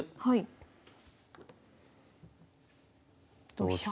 同飛車。